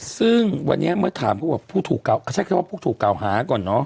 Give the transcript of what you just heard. ซึ่งวันนี้เมื่อถามพูดว่าผู้ถูกเก่าก่อนเนอะ